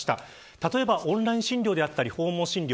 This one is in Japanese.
例えばオンライン診療であったり訪問診療。